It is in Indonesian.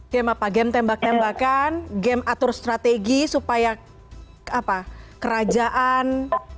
game apa game tembak tembakan game atur strategi supaya kerajaan